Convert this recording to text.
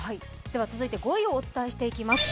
続いて５位をお伝えしていきます。